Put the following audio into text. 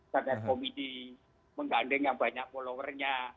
sadar komedi menggandeng yang banyak followernya